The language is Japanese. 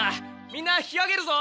みんな引きあげるぞ。